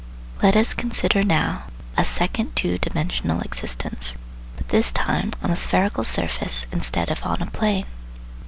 Let us consider now a second two dimensional existence, but this time on a spherical surface instead of on a plane.